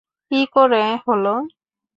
কী করে হলো?